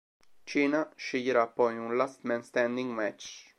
Cena sceglierà poi un Last Man Standing match.